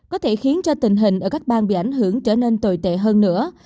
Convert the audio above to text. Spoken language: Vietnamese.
có thể khiến cho tình hình ở các bang bị ảnh hưởng trở nên tồi tệ hơn nữa